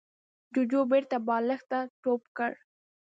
جوجو بېرته بالښت ته ټوپ کړ.